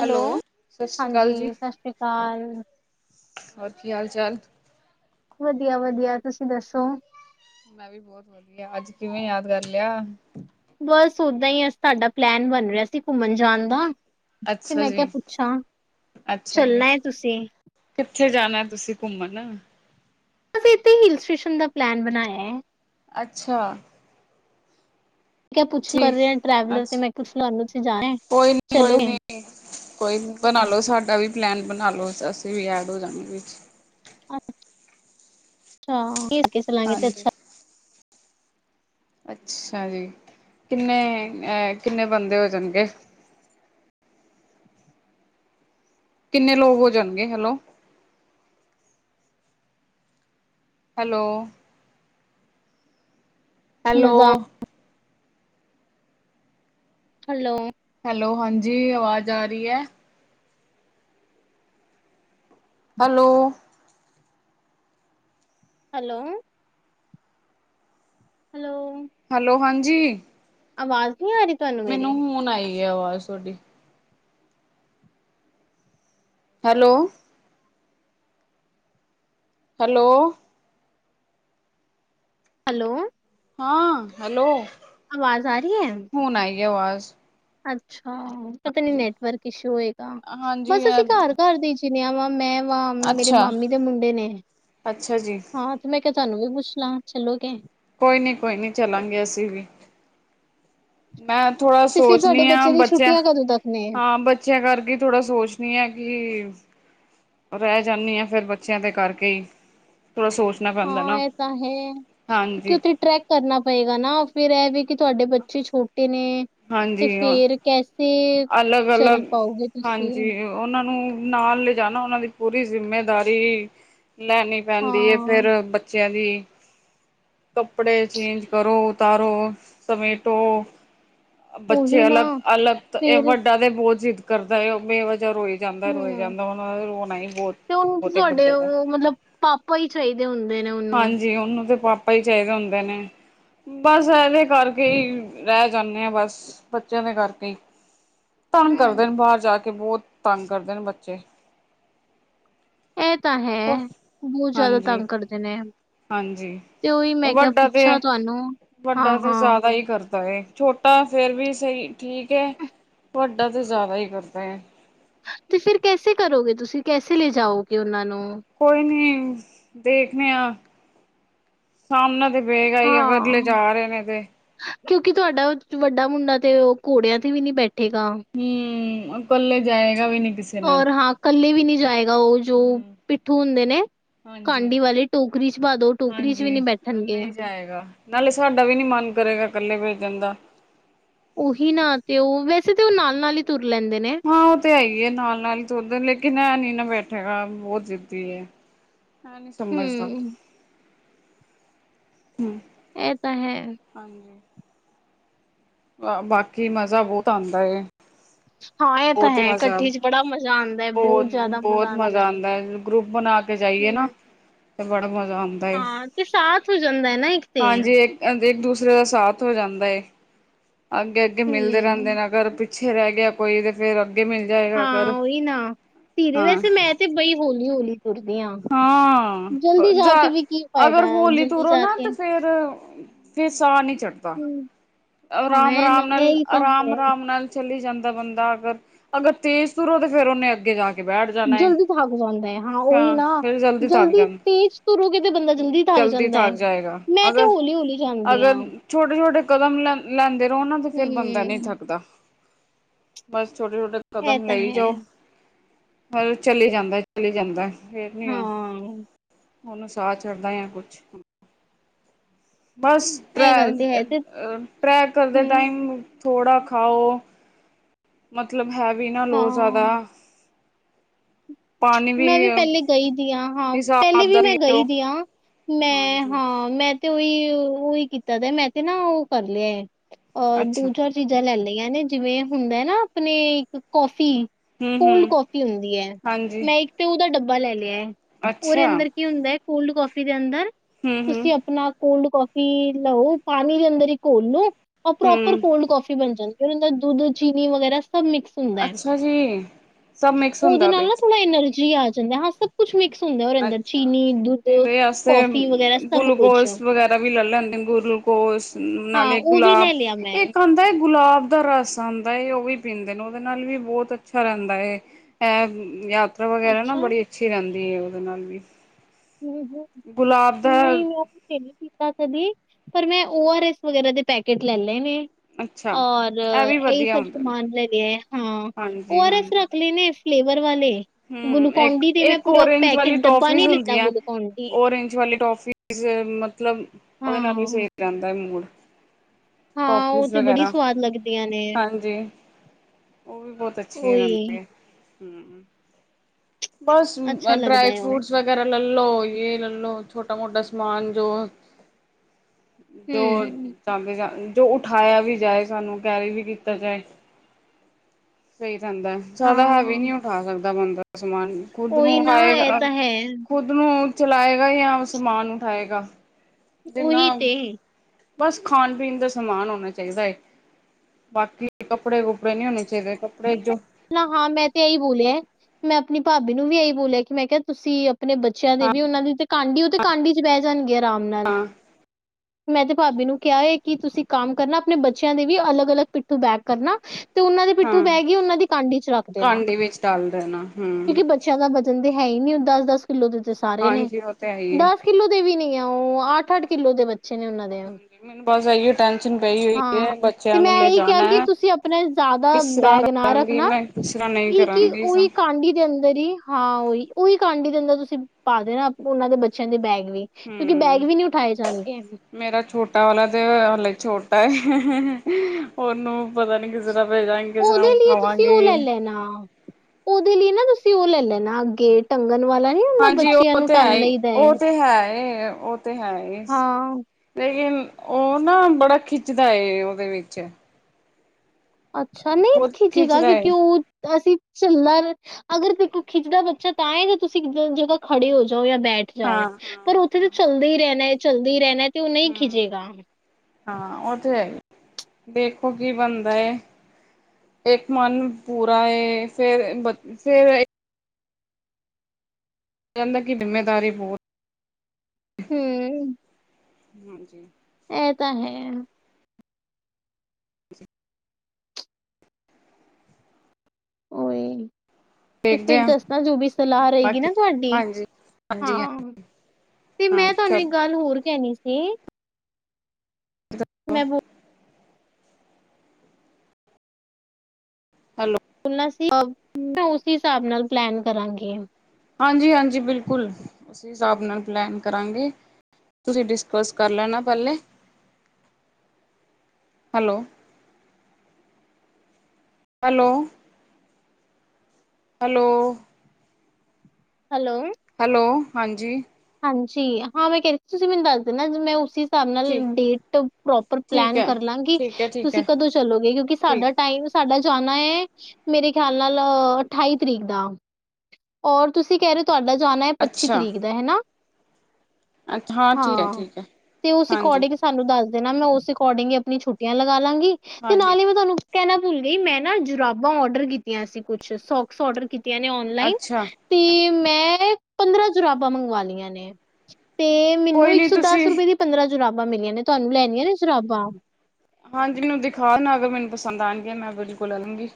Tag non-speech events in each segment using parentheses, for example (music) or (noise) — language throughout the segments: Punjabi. ਹੈਲੋ ਸਤਿ ਸ੍ਰੀ ਅਕਾਲ ਜੀ ਹਾਂਜੀ, ਸਤਿ ਸ਼੍ਰੀ ਅਕਾਲ। ਹੋਰ ਕੀ ਹਾਲ ਚਾਲ। ਵੜਿਆ ਜੀ ਤੁਸੀ ਦਸੋ ਕਿਵੇਂ ਹੋ। ਵਧੀਆ ਵਧੀਆ ਤੁਸੀਂ ਦੱਸੋ। ਅੱਸੀ ਵੀ ਵੜਿਆ ਤੁਸੀ ਦਸੋ ਘਰੇ ਕਿਵੇ ਹੈ। ਮੈਂ ਵੀ ਬਹੁਤ ਵਧੀਆ ਅੱਜ ਕਿਵੇਂ ਯਾਦ ਕਰ ਲਿਆ। ਬਸ ਇਕ ਕੰਮ ਸੀ। ਬਸ ਓਦਾਂ ਹੀ ਅ ਤੁਹਾਡਾ ਪਲੈਨ ਬਣ ਰਿਹਾ ਸੀ ਘੁੰਮਣ ਜਾਣ ਦਾ। ਹਾਂਜੀ ਹਾਂਜੀ। ਤੁਸੀ ਵੀ ਚਲੋ ਨਾਲ। ਅੱਛਾ ਜੀ ਅੱਛਾ ਜੀ ਚੱਲਣਾ ਹੈ ਤੁਸੀਂ ਕਿੱਥੇ ਜਾਣਾ ਤੁਸੀਂ ਘੁੰਮਣ ਲਈ ਨਿਕਲੇ ਹਨ। ਬ ਇੱਥੇ ਹਿਲ ਸਟੇਸ਼ਨ ਦਾ ਪਲਨ ਬਣਾਇਆ ਹੈ। ਹਾਂਜੀ ਟਰੈਕਿੰਗ ਅਤੇ ਚਲੇ ਅੱਛਾ ਤਾਂ ਮ ਚਲਦੀ ਹੈ। ਕਿਆ ਪੁੱਛ ਕਰ ਠੀ ਰਹੇ ਟਰੈਵਲਰ ਤੇ ਅੱਛਾ ਮੈਂ ਪੁੱਛ ਲੋ ਤੁਸੀਂ ਜਾਣਾ ਕੋਈ ਨੀ ਕੋਈ ਚਲੋਗੇ ਨੀ ਕੋਈ ਨੀ ਬਣਾ ਲੋ ਸਾਡਾ ਵੀ ਪਲੈਨ ਅਤੇ ਇਸ ਨੂੰ ਹੀ। ਬਣਾ ਲਓ ਅਸੀਂ ਵੀ ਐਡ ਹੋ ਜਾਂਣੇ ਵਿੱਚ ਹਾਂਜੀ। ਅੱਛ ਅੱਛਾ ਕਿਵੇ ਹੋ। ਕ ਲਾਂਗੇ ਤੇ ਹਾਂਜੀ। ਅੱਛਾ ਨਹੀਂ ਸਮਝਿਆ ਹੈ। ਅੱਛਾ ਜੀ ਕਿੰਨੇ ਅ ਕਿੰਨੇ ਬੰਦੇ ਹੋ ਜਾਣਗੇ। ਚਾਰ ਬੰਦਾ ਹੋ ਜਾਵੇਗਾ। ਕਿੰਨੇ ਲੋਕ ਹੋ ਜਾਣਗੇ ਹੈਲੋ। ਹਾਂਜੀ ਦੱਸ ਬੰਦਾ ਹੋ ਜਾਵੇਗਾ। ਹੈਲੋ ਹਾਏ। ਹੈਲੋ ਮਜ਼ਾ ਕਿਵੇ ਹੋ। ਹੈਲੋ ਹਾਏ ਮੈਂ ਇਸ ਲਈ ਫੋਨ ਕੀਤਾ ਤੁਸੀ ਕਿਵੇ ਹੋ। ਹੈਲੋ ਹਾਂਜੀ ਅਵਾਜ਼ ਆ ਰਹੀ ਹੈ ਹੈਲੋ ਹਾਂਜੀ ਕਹਿੰਦੇ ਨੇ। ਹੈਲੋ ਕੰਪਿਊਟਰ ਅਤੇ ਮਨੁੱਖ ਨੂੰ ਹੀ ਗੱਲ ਕਰੀਏ ਹਨ। ਹੈਲੋ। ਸਤਿ ਸ਼੍ਰੀ ਆਕਾਲ। ਹੈਲੋ ਹਾਂਜੀ ਕਿਵਾ ਹੋ। ਆਵਾਜ਼ ਵਿੱਚ ਰਿਕਾਰਡ ਕੀਤਾ ਗਿਆ ਹੈ। ਮੈਨੂੰ ਹੁਣ ਆਏ ਹਨ। ਆਵਾਜ਼ ਤੁਹਾਡੀ ਅਹਾਗੀ। ਹੈਲੋ ਹਾਏ। ਹੈਲੋ। ਹਾਂਜੀ ਕਿਵੇ ਹੋ। ਹੈਲੋ ਹਾਏ। ਕਿਵੇ ਹੋ ਤੁਸੀ। ਹਾਂ ਹੈਲੋ। ਹਾਂਜੀ ਦਸੋ ਕਿਵੇਂ ਹੋ। ਆਵਾਜ਼ ਆ ਰਹੀ ਹੈ। ਹਾਂਜੀ। ਆਵਾਜ਼ ਵਿੱਚ ਰਿਕਾਰਡ ਕੀਤਾ ਗਿਆ ਹੈ। ਅੱਛਾ ਪਰ ਤਣੀ ਨੇੈਟਵਰਕਸ਼ ਹੈ। ਹੋਏਗਾ ਹਾਂਜੀ ਬਸ ਅਸੀਂ ਘਰ ਘਰ ਦੇ ਸੇਵਕ ਸਨ। ਚਿਨਿਆਵਾਂ ਮੈਂ ਇਸ ਗੱਲ ਕਰੀਏ ਹਨ। ਮੇਰੇ ਅੱਛਾ ਮਾਮੀ ਦੇ ਮੁੰਡੇ ਨੇ ਅੱਛਾ ਜੀ ਹਾਂ ਤੇ ਮੈਂ ਕਹਿੰ ਦੀ ਗੱਲ ਕਰੀਏ ਹਨ। ਤੁਹਾਨੂੰ ਵੀ ਪੁੱਛ ਲਣਾ ਚਲੋ ਕਿ ਇਹ ਹੈ। ਕੋਈ ਨੀ ਕੋਈ ਨੀ ਚੱਲਾਂਗੇ ਅਸੀਂ ਵੀ ਤੇਰਾ ਨਾਲ਼। ਮੈਂ ਥੋੜਾ ਤੇ ਫਿਰ ਤੁਹਾਡੇ ਸੋਚਣੀ ਹਾਂ ਦੀ ਬੱਚਿਆਂ ਛੁੱਟੀਆਂ ਕਦੋਂ ਤੱਕ ਨੇ? ਹਾਂ ਬੱਚਿਆਂ ਕਰਕੇ ਥੋੜ੍ਹਾ ਸੋਚਣੀ ਆ ਕਿ ਕਰਦੇ ਹਾਂ ਰਹਿ ਜਾਂਦੀ ਹਾਂ ਫਿਰ ਬੱਚਿਆਂ ਦੇ ਕਰਕੇ ਹੀ ਗੱਲ ਕੀਤੀ ਗਈ ਹੈ। ਹਾਂ ਇਹ ਤਾਂ ਹੈ, ਕਿਉਂਕਿ ਹਾਂਜੀ ਉੱਥੇ ਟਰੈਕ ਕਰਨਾ ਪਏਗਾ ਨਾ ਫੇਰ ਇਹ ਵੀ ਕਿ ਤੁਹਾਡੇ ਬੱਚੇ ਛੋਟੇ ਨੇ ਤੇ ਹਾਂਜੀ ਫੇਰ ਕੈਸੇ ਚੱਲ ਅਲੱਗ-ਅਲੱਗ ਪਾਉਗੇ ਤੁਸੀਂ। ਹਾਂਜੀ ਉਹਨਾਂ ਨੂੰ ਨਾਲ ਲਿਜਾਣਾ ਉਹਨਾਂ ਦੀ ਪੂਰੀ ਜਿੰਮੇਦਾਰੀ ਲੈਣੀ ਪੈਂਦੀ ਏ ਹਾਂ ਫੇਰ ਬੱਚਿਆਂ ਦੀ। ਕੱਪੜੇ ਚੇਂਜ ਕਰੋ, ਉਤਾਰੋ, ਸਮੇਟੋ। ਉਹੀ ਬੱਚੇ ਨਾ ਅਲੱਗ-ਅਲੱਗ ਇਹ ਫੇਰ ਵੱਡਾ ਤੇ ਬਹੁਤ ਜਿੱਦ ਕਰਦਾ ਆ ਮੈਂ ਜਾਂ ਰੋਈ ਜਾਂਦਾ ਰੋਈ ਹੂੰ ਜਾਂਦਾ ਉਹਨਾ ਦਾ ਰੋਣਾ ਹੀ ਬਹੁਤ ਤੇ ਉਹਨੂੰ ਬਹੁਤ ਤੁਹਾਡੇ ਵੱਡੇ ਦਾ। ਉਹ ਮਤਲਬ ਪਾਪਾ ਹੀ ਚਾਹੀਦੇ ਹੁੰਦੇ ਨੇ ਉਹਨੂੰ ਹਾਂਜੀ ਉਹਨੂੰ ਤੇ ਪਾਪਾ ਹੀ ਚਾਹੀਦੇ ਹੁੰਦੇ ਨੇ, ਬਸ ਇਹਦੇ ਕਰਕੇ ਹੀ ਰਹਿ ਜਾ ਨੇ ਬਸ ਬੱਚਿਆਂ ਦੇ ਕਰਕੇ ਹੀ। ਤੰਗ ਕਰਦੇ ਹੂੰ। ਨੇ ਬਾਹਰ ਜਾ ਕੇ ਬਹੁਤ। ਤੰਗ ਕਰਦੇ ਨੇ ਬੱਚੇ। ਇਹ ਤਾਂ ਹੈ, ਬਹੁਤ ਜ਼ਿਆਦਾ ਹਾਂਜੀ ਤੰਗ ਕਰਦੇ ਨੇ, ਹਾਂਜੀ ਤੇ ਉਹੀ ਮੈਂ ਕਿਹਾ ਵੱਡਾ ਤੇ ਪੁੱਛਾਂ ਤੁਹਾਨੂੰ ਹਾਂ-ਹਾਂ। ਦਾ ਏ। ਛੋਟਾ ਫੇਰ ਵੀ ਸਹੀ ਠੀਕ ਹੈ ਵੱਡਾ ਤੇ ਜ਼ਿਆਦਾ ਹੀ ਕਰਦਾ ਹੈ। ਤੇ ਫਿਰ ਕੈਸੇ ਕਰੋਗੇ ਤੁਸੀਂ ਕੈਸੇ ਲੈ ਜਾਓਗੇ ਉਹਨਾਂ ਨੂੰ? ਕੋਈ ਨੀ, ਦੇਖਣੇ ਆ ਸਾਮਨਾਂ ਦੇ ਵੇਗਾ ਹੀ ਅਗਰ ਹਾਂ ਲਿਜਾ ਰਹੇ ਨੇ ਤੇ, ਕਿਉਂਕਿ ਤੁਹਾਡਾ ਵੱਡਾ ਮੁੰਡਾ ਤੇ ਉਹ ਘੋੜਿਆਂ ਤੇ ਵੀ ਨੀ ਬੈਠੇ, ਬੈਠੇਗਾ, ਕੱਲੇ ਜਾਏਗਾ ਵੀ ਨੀ, ਕਿਸੇ ਨਾਲ ਔਰ ਹਾਂ ਕੱਲੇ ਵੀ ਨੀ ਜਾਏਗਾ ਉਹ ਜੋ ਹਮ ਪਿੱਠੂ ਹੁੰਦੇ ਨੇ ਹਾਂਜੀ ਕਾਂਡੀ ਵਾਲੇ ਟੋਕਰੀ ਚ ਪਾ ਦੋ ਟੋਕਰੀ ਚ ਵੀ ਨੀ ਹਾਂਜੀ ਬੈਠਣਗੇ। ਨਹੀਂ ਜਾਏਗਾ ਨਾਲੇ ਸਾਡਾ ਵੀ ਨੀ ਮਨ ਕਰੇਗਾ ਇਕੱਲੇ ਭੇਜਣ ਦਾ ਉਹੀ ਨਾ ਤੇ ਉਹ ਵੈਸੇ ਤੇ ਉਹ ਨਾਲ-ਨਾਲ ਹੀ ਤੁਰ, ਲੈਂਦੇ ਨੇ ਹਾਂ ਉਹ ਤੇ ਹੈ ਹੀ ਨਾਲ-ਨਾਲ ਹੀ ਤੁਰਦੇ ਲੇਕਿਨ ਇਹ ਨਹੀਂ ਨਾ ਬੈਠਾ, ਗਾ ਬਹੁਤ ਜਿੱਦੀ ਹੈ। ਹੈ ਨੀ ਹੂੰ ਸਮਝਦਾ ਹੂੰ, ਇਹ ਤਾਂ ਹੈ। ਹਾਂਜੀ ਬਾਕੀ ਮਜ਼ਾ ਬਹੁਤ ਆਦਾ ਐ। ਹਾਂ ਇਹ ਤਾਂ ਬਹੁਤ ਹੀ ਹੈ ਮਜ਼ਾ ਇਕੱਠੇ ਚ ਬੜਾ ਮਜ਼ਾ ਆਉਂਦਾ ਹੈ ਬਹੁਤ ਜ਼ਿਆਦਾ ਬਹੁਤ ਆਉਂਦਾ ਹੈ ਮਜ਼ਾ ਆਦਾ ਗਰੁੱਪ ਬਣਾ ਕੇ ਜਾਈਏ ਹੂੰ ਨਾ ਤੇ ਬੜਾ ਮਜ਼ਾ ਆਦਾ ਹਾਂ ਤੇ ਸਾਥ ਹੋ ਜਾਂਦਾ ਹੈ ਨਾ ਇੱਕ ਤੇ ਹਾਂਜੀ ਇੱਕ ਦੂਸਰੇ ਦਾ ਸਾਥ ਹੋ ਜਾਂਦਾ। ਅੱਗੇ ਅੱਗੇ ਮਿਲਦੇ ਰਹਿੰਦੇ ਹਮ ਨਾ ਘਰ ਪਿੱਛੇ, ਪਿੱਛੇ ਰਹਿ ਗਿਆ ਕੋਈ ਇਹ ਫੇਰ, ਹਾਂ ਅਗਰ ਉਹੀ ਨਾ ਧੀਰੇ ਹਾਂ ਵੈਸੇ ਮੈਂ ਤੇ ਬਈ ਹੋਲੀ ਹੋਲੀ ਹਾਂ ਜਾ ਕੇ ਵੀ ਕੀ ਫਾਇਦਾ ਅਗਰ ਹੋਲੀ ਜਲਦੀ ਤੁਰੋ ਜਾ ਨਾ ਕੇ ਤੇ ਫਿਰ ਫੇਰ ਸਾਹ ਨ ਝਟਕਾ ਹਮ ਹਾਂ ਆਰਾਮ ਇਹ ਨਾ ਆਰਾਮ ਨਾਲ ਇਹੀ ਤਾਂ ਆਰਾਮ ਹੈ ਆਰਾਮ ਨਾਲ ਚਲੀ ਜਾਂਦੀ ਦਾ ਬੰਦਾ ਅਗਰ ਅਗਰ ਤੇਜ਼ ਤੁਰੋ ਤੇ ਫਿਰ ਉਹਨੇ ਅੱਗੇ ਜਾ ਕੇ ਬੈਠ ਜਾਣਾ ਏ। ਜਲਦੀ ਥੱਕ ਜਾਂਦਾ ਹੈ ਹਾਂ ਉਹੀ ਨਾ ਫੇਰ ਥੱਕ ਜਲਦੀ ਜਾਂ ਤੇਜ਼ ਤੁਰ ਕੇ ਤੇ ਬੰਦਾ ਜਲਦੀ ਥੱਕ ਜਾਂਦਾ ਹੈ ਮੈਂ ਤੇ ਹੌਲੀ ਹੌਲੀ ਜਾਂਦੀ ਅਗਰ ਹਾਂ ਛੋਟੇ-ਛੋਟੇ ਕਦਮ ਲ ਲੈਂਦੇ ਰ ਉਹਨਾ ਤੇ ਫਿ ਰ ਬੰਦਾ ਨਹੀਂ ਹਮ ਥੱਕਦਾ ਬਸ ਛੋਟੇ ਛੋਟੇ ਇਹ ਕਦਮ ਤਾਂ ਲਈ ਹੈ ਜਾਓ। ਹ ਚਲੇ ਜਾਂਦਾ ਚਲੇ ਜਾਂਦਾ ਫੇਰਨੀਓ ਹਾਂ ਉਹਨੂੰ ਸਾਾਹ ਚੜਦਾ ਆ ਕੁਛ ਬਸ ਇਹ ਡਰੈ ਗੱਲ ਤੇ ਹੈ ਤੇ ਟਰੈਕ ਕਰਦੇ ਹਮ ਟਾਈਮ। ਥੋੜਾ ਖਾਓ। ਮਤਲਬ। ਖਾ ਵੀ ਨਾ ਲੋ ਜ਼ਿਆਦਾ। ਹਾਂ ਮੈਂ ਵੀ ਪਹਿਲੇ ਗਈ ਤੇ ਹਾਂ। ਹਾਂ ਪਹਿਲੇ ਹਿਸਾਬ ਵੀ ਦਾ ਮੈਂ ਪੀਓ ਗਈ ਜੈ ਹਾਂ। ਮੈਂ ਹਾਂਜੀ ਹਾਂ ਮੈਂ ਤੇ ਉਹੀ। ਉਹੀ ਕੀਤਾ ਤੇ ਮੈਂ ਤੇ ਨਾ ਉਹ ਕਰ ਲਿਆ। ਅ ਦੋ ਅੱਛਾ ਚਾਰ ਚੀਜਾਂ ਲੇ ਲਈ। ਨੇ ਜਿਵੇਂ ਹੁੰਦਾ ਨਾ ਆਪਣੇ ਇੱਕ ਕੌਫੀ। ਹੂੰ ਕੋਲਡ ਹੂੰ ਕੌਫੀ ਹੁੰਦੀ ਹੈ। ਹਾਂਜੀ ਮੈਂ ਇੱਕ ਤੇ ਉਹਦਾ ਡੱਬਾ। ਬਾ ਲਿਆ ਏ। ਉਹਦੇ ਅੱਛਾ ਅੰਦਰ ਕੀ ਹੁੰਦਾ। ਕੋਲਡ ਕੌਫੀ ਦੇ ਅੰਦਰ। ਹੂੰ ਹੂੰ ਤੁਸੀਂ ਆਪਣਾ। ਕੋਲਡ ਕੌਫੀ ਲਓ ਪਾਣੀ ਦੇ ਅੰਦਰ ਹੀ ਘੋਲੋ। ਉਹ ਪ੍ਰੋਪਰ ਹੂੰ ਕੋਲਡ ਕੌਫੀ ਬਣ ਜਾਣ। ਫਿਰ ਉਂਦੇ ਦੁਧ ਚੀਨੀ ਵਗੈਰਾ। ਸਭ ਮਿਕਸ ਹੁੰਦਾ ਐ। ਅੱਛਾ ਜੀ ਸਭ ਮਿਕਸ ਹੁੰਦਾ ਉਹਦੇ ਚ। ਜੀ ਆ ਜਾਂਦਾ ਹ ਸਭ ਕੁਛ ਮਿਕਸ। ਹੁੰਦਾ ਔਰ ਅੰਦਰ ਅੱਛਾ ਚੀਨੀ, ਦੁੱਧ, ਇਹਦੇ ਵਾਸਤੇ ਕੌਫੀ ਵਗੈਰਾ ਸਭ ਕੁਛ ਗਲੂਕੋਸ ਵਗੈਰਾ ਵੀ ਲੈਲਾ ਨਿੰਬੂ ਗਲੂਕੋਸ ਹਾਂ ਨਾਲੇ ਉਹ ਵੀ ਗੁਲਾਬ ਲੈ ਲਿਆ ਮੈਂ ਇੱਕ ਆਉਂਦਾ ਗੁਲਾਬ। ਉਹਦਾ ਰਸ ਆਉਂਦਾ ਹੈ ਉਹ ਵੀ ਪੀਂਦੇ ਨੇ ਉਹਦੇ ਨਾਲ ਵੀ ਬਹੁਤ ਅੱਛਾ ਰਹਿੰਦਾ ਹੈ ਅ। ਵਗੈਰਾ ਨਾ ਅੱਛਾ ਬੜੀ ਅੱਛੀ ਰਹਿੰਦੀ। (unintelligible) ਉਹ ਨਾਲ ਵੀ। ਹਮ ਹ ਗੁਲਾਬ ਦਾ ਨਹੀਂ ਮੈਂ ਓ ਤੇ ਨਹੀਂ ਪੀਤਾ ਕਦੀ। ਪਰ ਮੈਂ ਓ ਆਰ ਐਸ ਵਗੈਰਾ ਦੇ ਪੈਕੇਟ ਲੈ ਲਏ ਨੇ। ਅੱਛਾ, ਔਰ ਇਹ ਵੀ ਇਹੀ ਵਧੀਆ ਸਭ ਹੁੰਦੇ ਨੇ। ਸਮਾਨ ਲੇਲਏ ਹਾਂ ਓ ਆਰ ਐਸ ਰੱਖ ਲੈਨੇ। (unintelligible) ਹਮ ਇੱਕ ਇੱਕ ਓਰੇਂਜ ਵਾਲੀ ਡੱਬਾ ਟੋਫੀ ਨਹੀਂ ਹੁੰਦੀ। ਲਿੱਤਾ ਦੀਆਂ ਗਲੂਕੋਨ ਡੀ ਓਰੇਂਜ ਵਾਲੀ ਟੋਫੀਜ਼ ਮਤਲਬ। ਔਦੇ ਨਾਲ ਹੀ ਹਾਂ ਸਹੀ ਰਹਿੰਦਾ ਹੈ, ਮੂਡ। ਹਾਂ ਉਹ ਟੋਫੀਜ਼ ਤੇ ਬੜੀ ਵਗੈਰਾ ਸਵਾਦ ਲੱਗਦੀਆਂ ਨੇ ਹਾਂਜੀ ਉਹ ਵੀ ਬਹੁਤ ਅੱਛੀ ਹੈ ਰ ਉਹੀ ਹੂ ਬਸ ਅੱਛਾ ਲੱਗਦਾ ਡਰਾਈ ਹੈ ਉਹ ਫਰੂਟਸ ਵਗੈਰਾ ਲ ਲੋ ਯੇ ਲੈ ਲੋ, ਛੋਟਾ ਮੋਟਾ ਸਮਾਮਾਨ ਜੋ ਜੋ ਹੂੰ ਜਾਂਦੇ ਜੋ ਉਠਾਇਆ ਵੀ ਜਾਏ, ਸਾਨੂੰ ਕੈਰੀ ਵੀ ਕੀਤਾ ਜਾਏ, ਸਹੀ ਜਾਂਦਾ, ਜ਼ਿਆਦਾ ਹੈਵੀ ਹਾਂ ਨਹੀਂ ਉਠਾ ਸਕਦੇ ਦਾ ਬੰਦਾ ਸਮਾਨ ਖੁਦ ਉਹੀ ਨੂੰ ਨਾ ਇਹ ਆਏਗਾ, ਤਾਂ ਹੈ ਖੁਦ ਨੂੰ ਚਲਾਏਗਾ ਜਾਂ ਸਮਾਨ ਉਠਾਏਗਾ ਜਿੰਨਾ ਉਹੀ ਤੇ ਬਸ ਖਾਣ ਪੀਣ ਦਾ ਸਮਾਨ ਹੋਣਾ ਚਾਹੀਦਾ ਹੈ, ਬਾਕੀ ਕੱਪੜੇ ਕੁਪੜੇ ਨਹੀਂ ਹੋਣੇ ਚਾਹੀਦੇ, ਕੱਪੜੇ ਜੋ ਨਾ ਹਾਂ ਮੈਂ ਤੇ ਇਹੀ ਬੋਲਿਆ, ਮੈਂ ਆਪਣੀ ਭਾਬੀ ਨੂੰ ਵੀ ਇਹੀ ਬੋਲਿਆ ਕਿ ਮੈਂ ਕਿਹਾ ਤੁਸੀਂ ਆਪਣੇ ਬੱਚਿਆਂ ਦੇ ਹਾਂ ਵੀ ਉਹਨਾਂ ਦੇ ਤੇ ਕਾਂਡੀਓ ਤੇ ਕਾਂਡੀ ਚ ਬਹਿ ਜਾਣਗੇ। ਅਰਾਮ ਨਾਲ ਹਾਂ ਮੈਂ ਤੇ ਭਾਬੀ ਨੂੰ ਕਿਹਾ ਹੈ ਕਿ ਤੁਸੀਂ ਕੰਮ ਕਰਨਾ, ਆਪਣੇ ਬੱਚਿਆਂ ਦੇ ਵੀ ਅਲੱਗ ਅਲੱਗ ਪਿੱਠੂ ਪੈਕ ਕਰਨਾ। ਤੇ ਉਹਨਾਂ ਦੇ ਪਿੱਠੂ ਹਾਂ ਬਹਿ ਗਈ, ਉਹਨਾਂ ਦੀ ਕਾਂਢੀ ਚ ਰੱਖ ਦੇਣਾ। ਕਾਂਡੇ ਵਿੱਚ ਡਾਲ ਦੇਣਾ ਹਮ ਕਿਉਂਕਿ ਬੱਚਿਆਂ ਦਾ ਦੇ ਹੈ ਈ ਨੀ ਓ ਦਸ -ਦਸ ਕਿੱਲੋ ਦੇ ਤੇ ਸਾਰੇ ਨੇ, ਹਾਂਜੀ ਉਹ ਤੇ ਹੈ ਹੀ ਹੈ ਦਸ ਕਿੱਲੋ ਦੇ ਵੀ ਨਈ ਆ। ਓ ਅੱਠ- ਅੱਠ ਕਿੱਲੋ ਦੇ ਬਚ ਚੇ ਨੇ ਉਨਾਂ ਦੇ, ਮੈਨੂੰ ਬਸ ਇਹੀਓ ਟੈਨਸ਼ਨ ਪਈ ਹੋਈ ਹਾਂ ਹੈ ਤੇ ਬੱਚਿਆਂ ਮੈਂ ਨੂੰ ਲੈ ਏਈ ਕਿਆ ਜਾਣਾ ਕੀ ਹੈ ਤੁਸੀਂ ਆਪਣੇ ਜ਼ਾਦਾ ਕਿਸ ਤਰ੍ਹਾਂ ਬੈਗ ਨਾ ਰੱਖ। ਕਰਾਂਗੀ ਨਾ ਮੈਂ ਕਿਸ ਤਰ੍ਹਾਂ ਨਹੀਂ ਇੱਕ ਇਕ ਕਰਾਂਗੀ ਓਈ ਕਾਂਡੀ ਦੇ ਅੰਦਰ ਈ। ਹਾਂ ਓਈ ਓਈ ਕਾਂਡੀ ਦੇ ਅੰਦਰ ਤੁਸੀਂ- ਪਾਦੇਨਾ ਉਨਾਂ ਦੇ ਬੱਚਿਆਂ ਦੇ ਬੈਗ। ਵੀ ਕਿਉਂਕਿ ਬੈਗ ਹੂੰ ਵੀ ਨਹੀਂ ਉਠਾਏ ਜਾਣਗੇ ਮੇਰਾ ਛੋਟਾ ਵਲਾ ਤੇ ਹਲੇ ਛੋਟ ਓਹ ਉਨੂੰ ਪਤਾ ਨੀ ਕਿਸੇ ਦਾ ਉਦੇ ਲਈ ਤੁਸੀਂ ਓ ਲੈ ਲੈਣਾ ਉਦੇ ਲਈ ਨਾ ਤੁਸੀਂ ਓ ਲੈ ਲੈਣਾ ਅੱਗੇ ਟੰਗ ਵਾਲਾ ਨੀ ਹੁੰਦਾ ਹਾਂਜੀ ਬੱਚਿਆਂ ਓ ਨੂੰ ਤੇ ਹੈ ਲਈਦਾ ਓ ਤੇ ਹੈ ਇਹ ਓ (unintelligible) ਤੇ ਹੈ ਇਸ ਹਾਂ ਲੇਕਿਨ ਓ ਨਾ ਬੜਾ ਖਿੱਚਦਾ ਏ ਉਦੇ ਵਿੱਚ। ਅੱਛਾ ਨਈ ਬਹੁਤ ਖਿਚੇਗਾ ਖਿੱਚਦਾ ਏ ਕਿਉਂਕਿ ਓ ਅਸੀਂ ਚੱਲਾ ਏਹ ਅਗਰ ਪਿਢੂ ਖਿੱਚਦਾ ਬੱਚਾ ਤਾਂਏ ਤੇ ਤੁਸੀਂ ਜਗ੍ਹਾ ਖੜੇ ਹੋ ਜੋ। ਉਠ ਜਾਓ ਜਾਂ ਬੈਠ ਜਾਓ। ਹਾਂ ਪਰ ਉੱਥੇ ਤਾਂ ਚੱਲਦਾ ਈ ਰੇਣਾ ਏ। ਚੱਲਦੇ ਈ ਰੇਣਾ। ਤੇ ਓ ਨਈ ਹੂੰ ਖਿਜੇਗਾ। ਹਾਂ ਓ ਤੇ ਹੈ ਈ। ਦੇਖੋ ਕੀ ਬਣਦਾ ਏ ਇੱਕ ਮਨ ਪੂਰਾ ਏ ਫੇਰ ਬਚ ਫੇਰ ਕੇਂਦੇ ਕੀ ਜ਼ਿੰਮੇਦਾਰੀ ਬੋਤ ਹਾਂਜੀ ਐ ਤਾਂ ਹੈ। ਓਏ ਨੀ ਤੇ ਦੇਖਦੇ ਫਿਰ ਹਾਂ ਦੱਸਣਾ ਜੋਬੀ ਸਲਾਅ ਰਏਗੀ ਬਾਕੀ ਨਾ ਤੁਆਡੀ। ਹਾਂਜੀ ਹਾਂਜੀ ਹਾਂ ਤੇ ਮੈਂ ਹਾਂਜੀ ਤੁਆਨੂੰ ਚਲੋ ਇੱਕ ਗੱਲ ਹੋਰ ਕੇਣੀ ਸੀ। ਕੀ ਮੈਂ ਬੋਲ ਹੈਲੋ ਬੋਲਣਾ ਸੀ। ਉਸੀ ਹਿਸਾਬ ਨਾਲ ਪਲੈਨ ਕਰਾਂਗੇ। ਹਾਂਜੀ ਹਾਂਜੀ ਬਿਲਕੁਲ। ਉਸੀ ਹਿਸਾਬ ਨਾਲ ਪਲੈਨ ਕਰਾਂਗੇ ਤੁਸੀਂ ਡਿਸਕਸ ਕਰ ਲੈਣਾ ਪੈਲੇ hello hello hello hello hello ਹਾਂਜੀ ਹਾਂਜੀ ਹਾਂ ਮੈਂ ਕਹਿ ਰਹੀ ਸੀ ਤੁਸੀਂ ਮੈਨੂੰ ਦੱਸ ਦੇਨਾ ਮੈਂ ਉਸੀ ਹਿਸਾਬ ਨਾਲ ਠੀਕ ਡੇਟ ਪ੍ਰੋਪਰ ਠੀਕ ਪਲੈਨ ਹੈ ਕਰ ਲਾਂਗੀ, ਠੀਕ ਹੈ ਠੀਕ ਤੁਸੀਂ ਹੈ ਕਦੋਂ ਚਲੋਗੇ ਕਿਉਂਕਿ ਠੀਕ ਸਾਡਾ ਟਾਈਮ ਸਾਡਾ ਜਾਣਾ ਹੈ ਮੇਰੇ ਖਿਆਲ ਨਾਲ ਅਠਾਈ ਤਰੀਕ ਦਾ, ਔਰ ਤੁਸੀਂ ਕਹਿ ਰਹੇ ਹੋ ਤੁਹਾਡਾ ਜਾਣਾ ਹੈ ਪੱਚੀ ਅੱਛਾ ਤਰੀਕ ਦਾ ਹੈਨਾ। ਅੱਛਾ, ਠੀਕ ਹੈ ਹਾਂ ਠੀਕ ਹੈ ਤੇ ਉਸ ਹਾਂਜੀ ਅਕੋਡਿੰਗ ਸਾਨੂੰ ਦੱਸ ਮੈਂ ਉਸ ਅਕੋਡਿੰਗ ਆਪਣੀ ਛੁੱਟਿਆਂ ਲੱ ਗ ਲਾਂਗੀ ਤੇ ਹਾਂਜੀ ਨਾਲ ਹੀ ਮੈਂ ਤੁਹਾਨੂੰ ਕਹਿਣਾ ਭੁੱਲ ਗਈ, ਮੈਂ ਨਾ ਜੁਰਾਬਾਂ ਔਡਰ ਕੀਤੀਆਂ ਸੀ ਕੁੱਛ ਸੋਕਸ ਔਡਰ ਕੀਤੀਆਂ ਨੇ, ਔਨਲਾਈਨ ਅੱਛਾ ਤੇ ਮੈਂ ਪੰਦਰਾਂ ਜੁਰਾਬਾਂ ਮੰਗਵਾ ਲਈਆਂ। ਮੈਂ ਤੇ ਕੋਈ ਮੈਨੂੰ ਇੱਕ ਨੀ ਸੌ ਦਸ ਤੁਸੀਂ ਰੁਪਏ ਦੀ ਪੰਦਰਾਂ ਸ਼ਰਾਬਾਂ ਮਿਲੀਆਂ ਨੇ ਤੁਹਾਨੂੰ ਲੈਣੀਆਂ ਨੇ ਸ਼ਰਾਬਾਂ। ਹਾਂਜੀ ਮੈਨੂੰ ਦਿਖਾ ਨਾ ਅਗਰ ਮੈਨੂੰ ਪਸੰਦ ਆਣਗਿਆਂ, ਮੈਂ ਬਿਲਕੁਲ ਲੈ ਲੂੰਗੀ,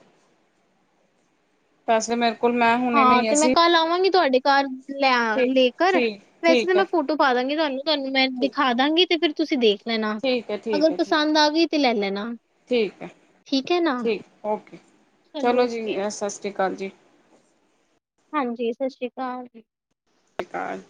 ਪੈਸੇ ਮੇਰੇ ਕੋਲ ਮੈਂ ਹੁਣੇ ਹਾਂ ਲਈ ਤੇ ਮੈਂ ਅਸੀਂ ਕੱਲ ਆਵਾਂਗੀ ਤੁਹਾਡੇ ਘਰ ਲੈ ਠੀਕ ਲੈ ਕਰ, ਠੀਕ ਵੈਸੇ ਤਾਂ ਠੀਕ ਮੈਂ ਹੈ ਫੋਟੋ ਪਾ ਦਾਂਗੀ ਤੁਹਾਨੂੰ ਤੁਹਾਨੂੰ ਮੈਂ ਠੀਕ ਦਿਖਾ ਦਾਂਗੀ ਤੇ ਫਿਰ ਤੁਸੀਂ ਦੇਖ ਲੈ ਨਾ ਠੀਕ ਹੈ ਠੀਕ ਅਗਰ ਹੈ ਠੀਕ ਪਸੰਦ ਆਗੀ ੱਲ ਲੈ ਲੈਨਾ ਠੀਕ ਹੈ ਠੀਕ ਓਕੇ ਚਲੋ ਜੀ ਸਤਿ ਸ਼੍ਰੀ ਕਾਲ ਜੀ ਹਾਂਜੀ ਸਸਰੀ ਕਾਲ ਸਤ੍ਰੀ (unintelligible) ਕਾਲ